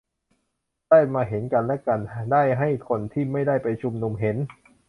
ได้มาเห็นกันและกัน ได้ให้คนที่ไม่ได้ไปชุมนุมเห็น